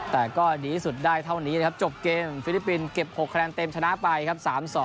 แต่ก็ดีที่สุดได้เท่านี้นะครับจบเกมฟิลิปปินส์เก็บ๖คะแนนเต็มชนะไปครับ๓๒